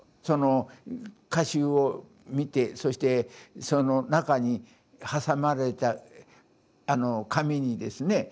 その歌集を見てそしてその中に挟まれた紙にですね